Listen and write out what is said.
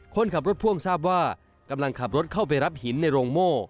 คนขับรถพ่วงทราบว่ากำลังขับรถเข้าไปรับหินในโรงโม่